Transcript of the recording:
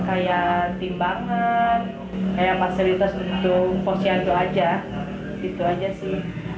kayak fasilitas untuk posyandu aja gitu aja sih